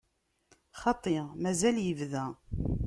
Xaṭi, mazal ibda.